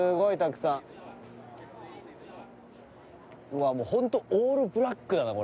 うわもうホント。